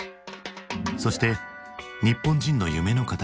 そして日本人の夢の形。